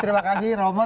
terima kasih pak tito